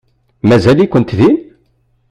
Mazal-ikent din?